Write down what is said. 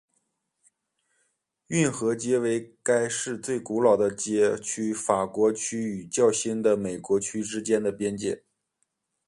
运河街为该市最古老的街区法国区与较新的美国区之间的边界。